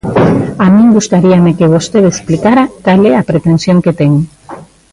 A min gustaríame que vostede explicara cal é a pretensión que ten.